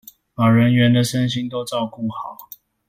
把人員的身心都照顧好